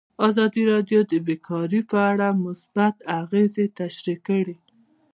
ازادي راډیو د بیکاري په اړه مثبت اغېزې تشریح کړي.